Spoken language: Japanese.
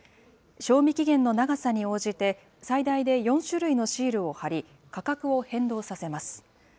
賞味期限の長さに応じて、最大で４種類のシールを貼り、価格を変動させます。